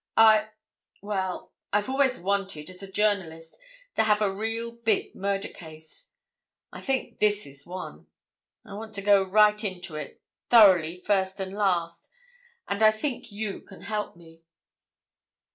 I—well, I've always wanted, as a journalist, to have a real big murder case. I think this is one. I want to go right into it—thoroughly, first and last. And—I think you can help me."